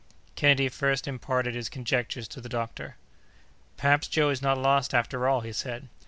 Kennedy first imparted his conjectures to the doctor. "Perhaps Joe is not lost after all," he said.